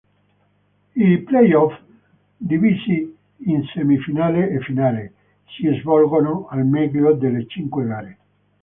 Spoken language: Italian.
I playoff, divisi in semifinali e finale, si svolgono al meglio delle cinque gare.